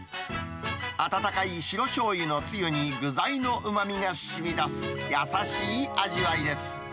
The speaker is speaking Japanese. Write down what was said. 温かい白しょうゆのつゆに具材のうまみがしみ出す、優しい味わいです。